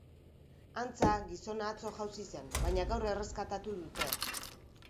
Antza, gizona atzo jausi zen, baina gaur erreskatatu dute.